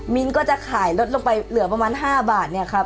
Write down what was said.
มิ้นต์ก็จะขายลดลงไปเหลือประมาณ๕บาท